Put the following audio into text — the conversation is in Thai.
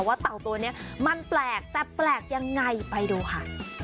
เต่าตัวนี้มันแปลกแต่แปลกยังไงไปดูค่ะ